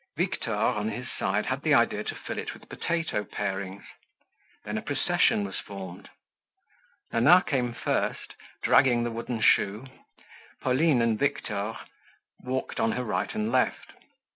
Victor on his side had had the idea to fill it with potato parings. Then a procession was formed. Nana came first dragging the wooden shoe. Pauline and Victor walked on her right and left.